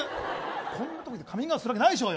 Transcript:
こんなところでカミングアウトするわけないでしょ。